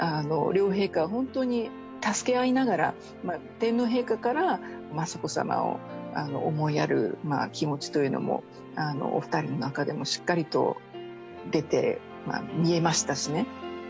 両陛下は本当に助け合いながら天皇陛下から雅子さまを思いやる気持ちというのもお二人のなかでもしっかりと出て見えましたしね。